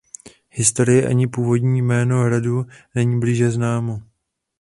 Historie ani původní jméno hradu není blíže známo.